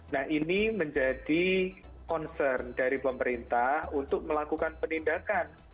nah ini menjadi concern dari pemerintah untuk melakukan penindakan